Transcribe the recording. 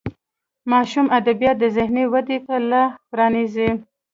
ماشوم ادبیات د ذهني ودې ته لار پرانیزي.